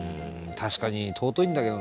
確かに尊いんだけどね。